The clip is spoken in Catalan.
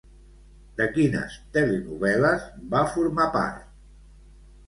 De quines telenovel·les va formar part?